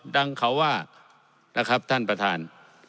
ดังเขาว่านะครับท่านประธาน